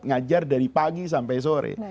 ngajar dari pagi sampai sore